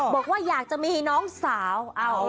บอกว่าอยากจะมีน้องสาว